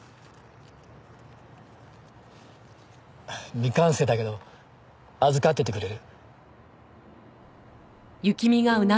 未完成だけど預かっててくれる？